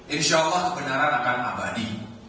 insya allah kebenaran akan abadi